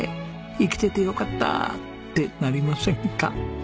生きててよかった！ってなりませんか？